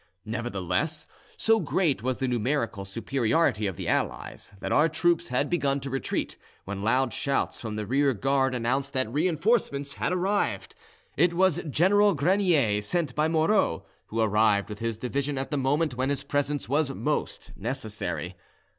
Nevertheless, so great was the numerical superiority of the allies, that our troops had begun to retreat, when loud shouts from the rearguard announced that reinforcements had arrived. It was General Grenier, sent by Moreau, who arrived with his division at the moment when his presence was most necessary.